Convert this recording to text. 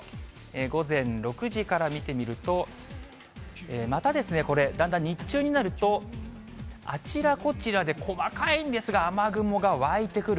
午前６時から見てみると、またこれ、だんだん日中になると、あちらこちらで細かいんですが、雨雲が湧いてくる。